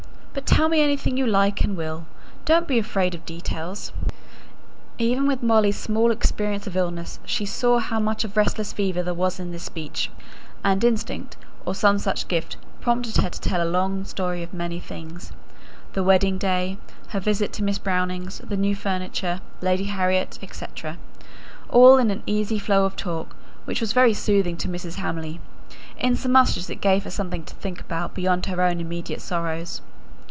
But tell me anything you like and will; don't be afraid of details." Even with Molly's small experience of illness she saw how much of restless fever there was in this speech; and instinct, or some such gift, prompted her to tell a long story of many things the wedding day, her visit to Miss Brownings', the new furniture, Lady Harriet, &c., all in an easy flow of talk which was very soothing to Mrs. Hamley, inasmuch as it gave her something to think about beyond her own immediate sorrows.